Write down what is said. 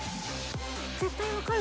絶対分かる。